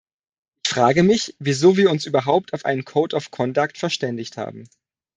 Ich frage mich, wieso wir uns überhaupt auf einen code of conduct verständigt haben.